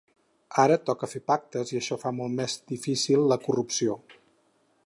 Ara toca fer pactes i això fa molt més difícil la corrupció.